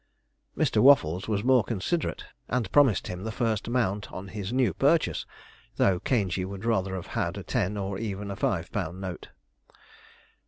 Mr. Waffles was more considerate, and promised him the first mount on his new purchase, though Caingey would rather have had a ten, or even a five pound note.